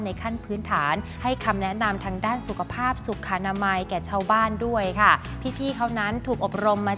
ในขั้นพื้นฐานให้คำน่านำทางด้านสุขภาพสุขภาไม